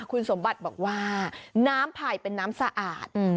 คุณสมบัติบอกว่าน้ำไผ่เป็นน้ำสะอาด